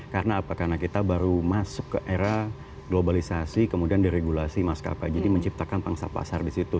karena kita baru masuk ke era globalisasi kemudian diregulasi maskapai jadi menciptakan pangsa pasar di situ